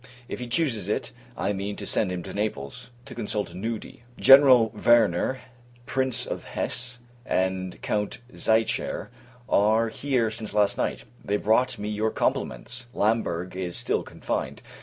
If he chooses it, I mean to send him to Naples, to consult Noody [Nudi.] General Werner, Prince of Hesse, and Count Zichare, are here since last night; they brought me your compliments. Lamberg is still confined.